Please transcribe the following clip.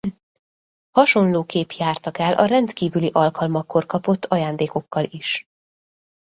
Hasonlóképp jártak el a rendkívüli alkalmakkor kapott ajándékokkal is.